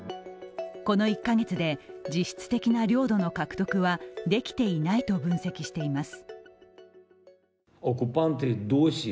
この１カ月で実質的な領土の獲得はできていないと分析しています。